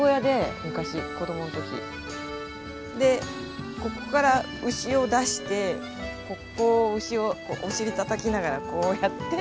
でここから牛を出してここを牛をお尻たたきながらこうやって。